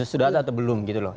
sudah ada atau belum gitu loh